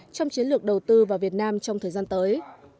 trong chiến lược đầu tư vào việt nam trong thời gian tới